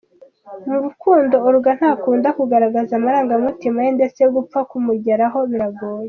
Mu rukundo, Olga ntakunda kugaragaza amarangamutima ye ndetse gupfa kumugeraho biragoye.